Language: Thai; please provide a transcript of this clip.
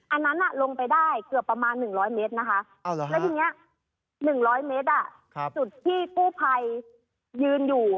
อันนั้นลงไปได้เกือบประมาณ๑๐๐เมตรนะคะแล้วทีนี้๑๐๐เมตรจุดที่กู้ภัยยืนอยู่